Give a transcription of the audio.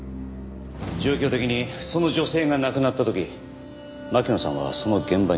状況的にその女性が亡くなった時巻乃さんはその現場にいた。